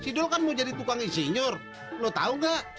sidul kan mau jadi tukang isinyur lo tau gak